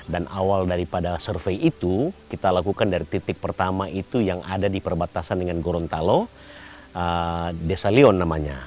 dan awal dari pada survei itu kita lakukan dari titik pertama itu yang ada di perbatasan dengan gorontalo desa leon namanya